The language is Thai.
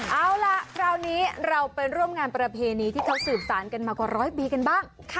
เอาล่ะคราวนี้เราไปร่วมงานประเพณีที่เขาสืบสารกันมากว่าร้อยปีกันบ้าง